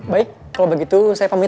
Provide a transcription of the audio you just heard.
baik kalau begitu saya pamit